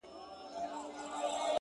• د سرو شرابو د خُمونو د غوغا لوري؛